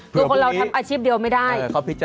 จะได้มีอาชีพใหม่ไปเลย